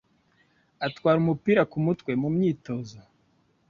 atwara umupira ku mutwe mu myitozo